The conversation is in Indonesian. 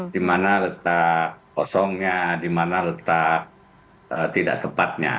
di mana letak kosongnya di mana letak tidak tepatnya